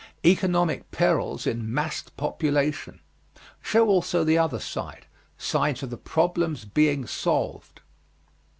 Economic perils in massed population. Show also the other side. Signs of the problem's being solved.